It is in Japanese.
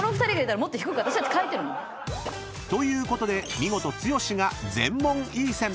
［ということで見事剛が全問いいセン］